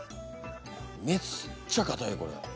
めっちゃ硬いこれ。